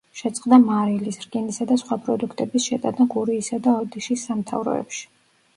შეწყდა მარილის, რკინისა და სხვა პროდუქტების შეტანა გურიისა და ოდიშის სამთავროებში.